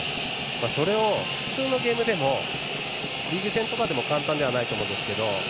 それを普通のゲームでもリーグ戦とかでも簡単ではないと思うんですけど